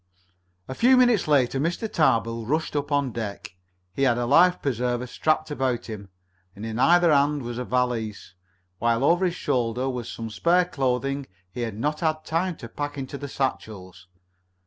A few minutes later Mr. Tarbill rushed up on deck. He had a life preserver strapped about him, and in either hand was a valise, while over his shoulder was some spare clothing he had not had time to pack in the satchels.